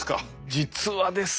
実はですね